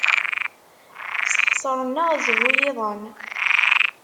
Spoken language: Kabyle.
Sxesṛen-aɣ zzhu yiḍan.